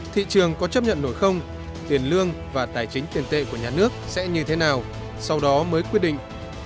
thị trường có chấp nhận nổi không tiền lương và tài chính tiền tệ của nhà nước sẽ như thế nào sau đó mới quyết định